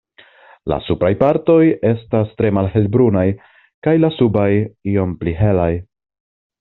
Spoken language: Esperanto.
La supraj partoj estas tre malhelbrunaj kaj la subaj iom pli helaj.